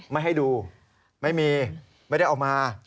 ไม่ให้ดูไม่มีไม่ได้เอามา